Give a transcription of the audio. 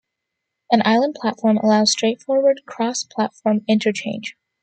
An island platform allows straightforward cross-platform interchange.